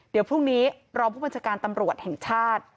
เดี๋ยวพรุ่งนี้รองผู้บัญชาการตำรวจแห่งชาติ